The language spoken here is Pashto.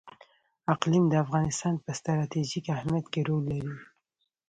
اقلیم د افغانستان په ستراتیژیک اهمیت کې رول لري.